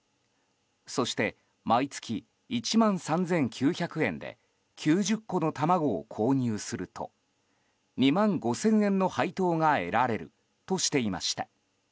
そして毎月、１万３９００円で９０個の卵を購入すると２万５０００円の配当が得られるとしていました。